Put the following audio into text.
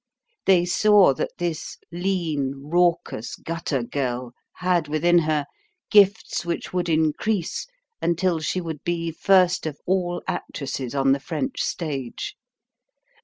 They saw that this lean, raucous gutter girl had within her gifts which would increase until she would be first of all actresses on the French stage.